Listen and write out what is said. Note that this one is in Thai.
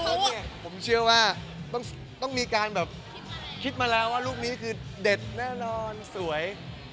คุณโตเชียวว่าต้องต้องมีการแบบคิดมาแล้วว่าลูกนี้คือเด็ดน่าล่อนสวย